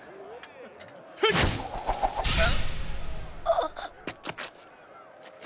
あっ。